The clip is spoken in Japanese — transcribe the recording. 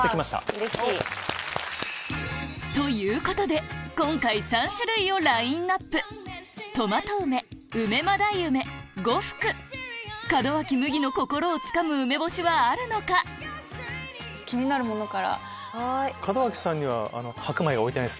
うれしい！ということで今回３種類をラインアップ門脇麦の心をつかむ梅干しはあるのか⁉気になるものから。